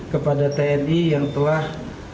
kepada tni yang telah